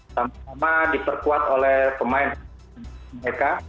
sama sama diperkuat oleh pemain amerika